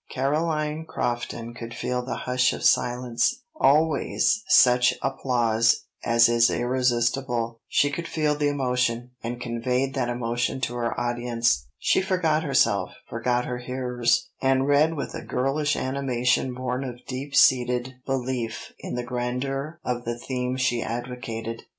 Caroline Crofton could feel the hush of silence, always such applause as is irresistible; she could feel the emotion, and conveyed that emotion to her audience; she forgot herself, forgot her hearers, and read with a girlish animation born of deep seated belief in the grandeur of the theme she advocated.